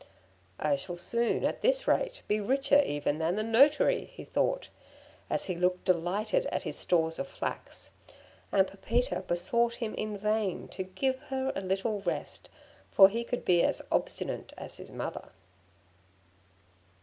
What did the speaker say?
'I shall soon, at this rate, be richer even than the notary,' he thought, as he looked delighted at his stores of flax; and Pepita besought him in vain to give her a little rest, for he could be as obstinate as his mother.